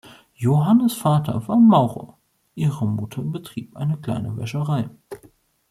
Johannas Vater war Maurer, ihre Mutter betrieb eine kleine Wäscherei.